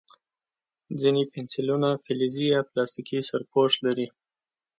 ځینې پنسلونه د فلزي یا پلاستیکي سرپوښ لري.